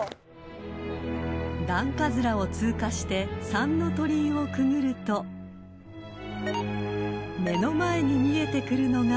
［段葛を通過して三ノ鳥居をくぐると目の前に見えてくるのが］